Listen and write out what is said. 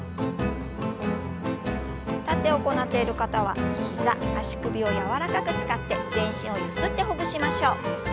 立って行っている方は膝足首を柔らかく使って全身をゆすってほぐしましょう。